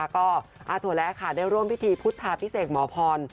อาถวแร้ได้ร่วมพิธีพุทธาพิเศกหมอพร